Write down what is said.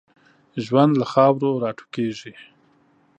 ژوند له خاورو را ټوکېږي.